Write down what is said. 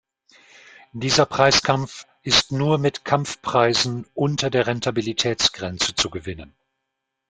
Dieser Preiskampf ist nur mit Kampfpreisen unter der Rentabilitätsgrenze zu gewinnen.